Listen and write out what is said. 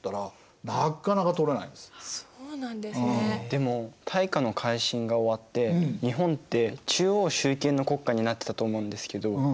でも大化の改新が終わって日本って中央集権の国家になってたと思うんですけど。